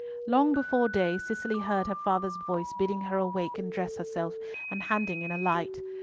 Long before day Cicely heard her father's voice bidding her awake and dress herself, and handing in a light.